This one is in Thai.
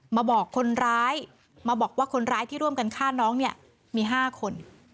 มาบอกคนร้ายมาบอกว่าคนร้ายที่ร่วมกันฆ่าน้องเนี่ยมี๕คน